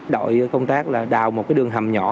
đội công tác là đào một cái đường hầm nhỏ